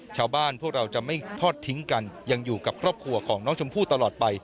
ชาวบ้านพวกเราจะไม่ทอดทิ้งกันยังอยู่กับครอบครัวของน้องชมพู่ตลอดไป